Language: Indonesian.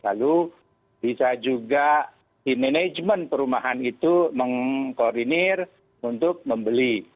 lalu bisa juga si manajemen perumahan itu mengkoordinir untuk membeli